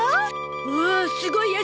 おおすごい汗。